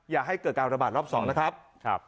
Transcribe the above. อย่าให้เกิดการระบาดรอบ๒นะครับ